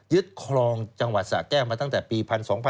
คลองจังหวัดสะแก้วมาตั้งแต่ปี๑๒